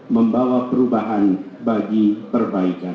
membawa perubahan bagi perbaikan